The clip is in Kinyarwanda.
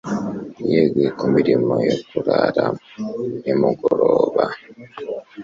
Yeguye ku mirimo yo kurara nimugoroba.